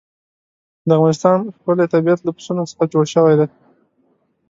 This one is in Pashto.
د افغانستان ښکلی طبیعت له پسونو څخه جوړ شوی دی.